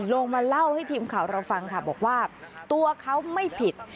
ลงมาเล่าให้ทีมข่าวเราฟังค่ะบอกว่าตัวเขาไม่ผิด